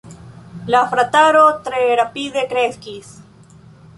La frataro tre rapide kreskis.